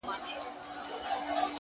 هره ستونزه د حل تخم لري!